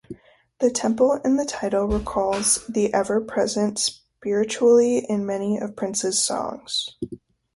The "temple" in the title recalls the ever-present spirituality in many of Prince's songs.